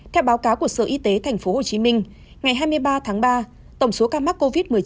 các báo cáo của sở y tế thành phố hồ chí minh ngày hai mươi ba tháng ba tổng số ca mắc covid một mươi chín